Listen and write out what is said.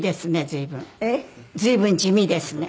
随分地味ですね。